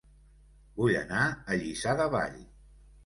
Vull anar a Lliçà de Vall